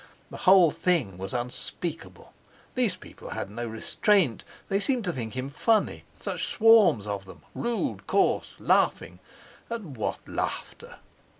The whole thing was unspeakable! These people had no restraint, they seemed to think him funny; such swarms of them, rude, coarse, laughing—and what laughter!